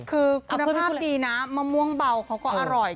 คือคุณภาพดีนะมะม่วงเบาเขาก็อร่อย